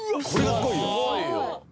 すごいよ。